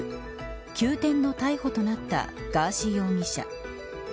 急転の逮捕となったガーシー容疑者。